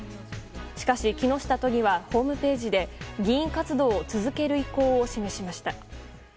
しかし、木下都議はホームページで議員活動を続ける意向を示しました。